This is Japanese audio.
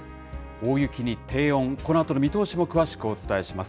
大雪に低温、このあとの見通しも詳しくお伝えします。